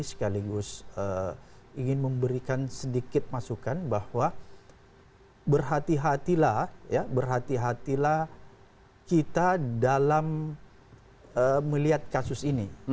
sekaligus ingin memberikan sedikit masukan bahwa berhati hatilah kita dalam melihat kasus ini